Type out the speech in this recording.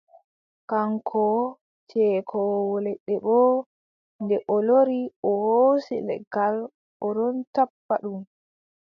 Kaŋko ceekoowo leɗɗe boo, nde o lori, o hoosi leggal o ɗon tappa ndu.